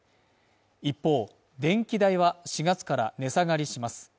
一方、電気代は、４月から値下がりします。